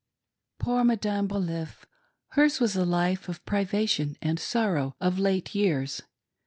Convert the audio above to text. Poor Madame Baliff! Hers was a life of privation and sorrow, of late years.